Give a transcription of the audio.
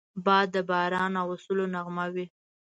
باد د باران راوستلو نغمه وي